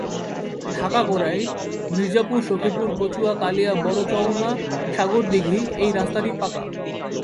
ঢাকা-গোরাই, মির্জাপুর-সখিপুর-কচুয়া-কালিয়া-বড়চওনা-সাগরদিঘী; এই রাস্তাটি পাকা।